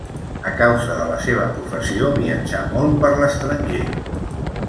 A causa de la seva professió viatjà molt per l'estranger.